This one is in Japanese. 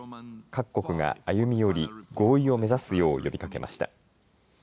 各国が歩み寄り、合意を目指すよう呼びかけました。